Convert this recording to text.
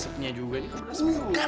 belum berkeputaran tubuh cubur di sini